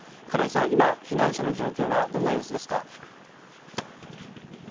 金井さん、今、避難者の状況はどんな様子ですか。